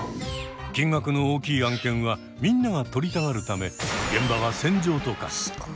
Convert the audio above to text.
金額の大きい案件はみんなが取りたがるため現場は戦場と化す。